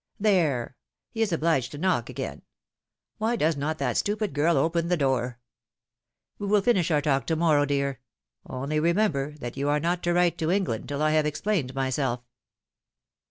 There! he is obliged to knock again ! Why does not that stupid girl open the door ? We will finish our talk to morrow, dear. Only remember that you are not to write to England till I have explained myself."